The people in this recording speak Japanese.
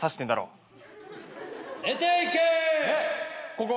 ここ？